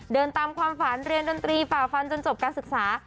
เดินตามความฝันเรียนดนตรีฝ่าฟันจนจบการศึกษา